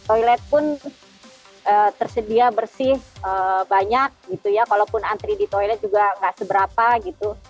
toilet pun tersedia bersih banyak gitu ya kalaupun antri di toilet juga nggak seberapa gitu